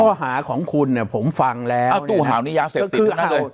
คือข้อหาของคุณเนี้ยผมฟังแล้วเอ้าตู้หาวนี้ยาเสพติดอยู่นั่นเลย